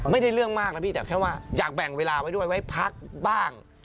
เรื่องมากนะพี่แต่แค่ว่าอยากแบ่งเวลาไว้ด้วยไว้พักบ้าง